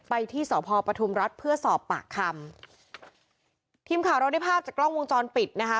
ไปที่สพปฐุมรัฐเพื่อสอบปากคำทีมข่าวเราได้ภาพจากกล้องวงจรปิดนะคะ